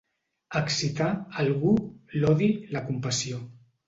Excitar, algú, l'odi, la compassió.